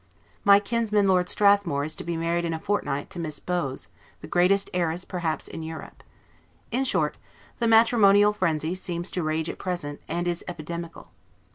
My kinsman, Lord Strathmore, is to be married in a fortnight, to Miss Bowes, the greatest heiress perhaps in Europe. In short, the matrimonial frenzy seems to rage at present, and is epidemical.